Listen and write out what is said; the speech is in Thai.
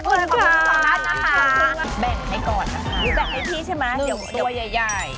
แต่ทำไม่ทำอีกเรื่องหนึ่งมันจะเป็นน่ารักมาก